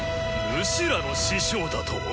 ヌシらの師匠だと。